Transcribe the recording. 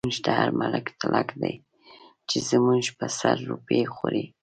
موږ ته هر ملک تلک دی، چۍ زموږ په سر روپۍ خوری